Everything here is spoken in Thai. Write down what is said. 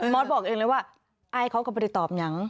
อสบอกเองเลยว่าไอ้เขาก็ไม่ได้ตอบยัง